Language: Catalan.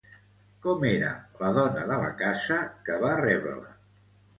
Com era la dona de la casa que va rebre-la?